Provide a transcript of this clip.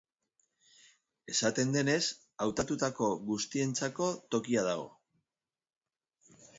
Esaten denez, hautatutako guztientzako tokia dago.